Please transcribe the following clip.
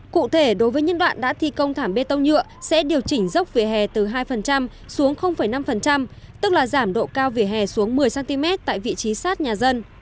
cụ thể đối với nhân đoạn đã thi công thảm bê tông nhựa sẽ điều chỉnh dốc vỉa hè từ hai xuống năm tức là giảm độ cao vỉa hè xuống một mươi cm